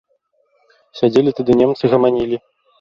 Сядзелі тады немцы, гаманілі.